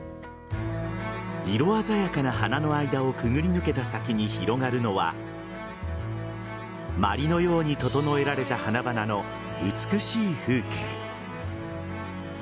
色鮮やかな花の間をくぐり抜けた先に広がるのはまりのように整えられた花々の美しい風景。